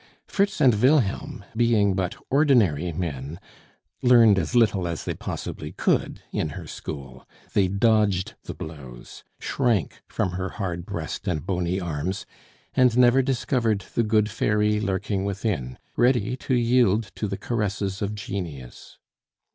Fritz and Wilhelm, being but ordinary men, learned as little as they possibly could in her school; they dodged the blows, shrank from her hard breast and bony arms, and never discovered the good fairy lurking within, ready to yield to the caresses of genius.